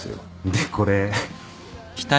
でこれ。